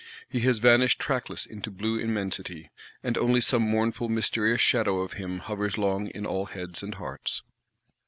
He has vanished trackless into blue Immensity; and only some mournful mysterious shadow of him hovers long in all heads and hearts.